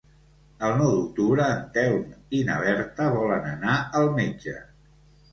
El nou d'octubre en Telm i na Berta volen anar al metge.